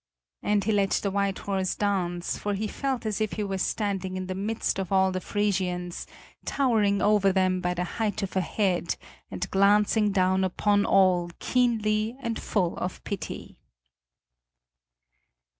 And he let the white horse dance, for he felt as if he were standing in the midst of all the Frisians, towering over them by the height of a head, and glancing down upon all keenly and full of pity.